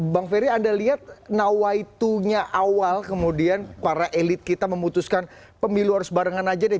bang ferry anda lihat nawaitunya awal kemudian para elit kita memutuskan pemilu harus barengan aja deh